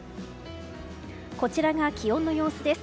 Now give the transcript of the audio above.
こちらが気温の様子です。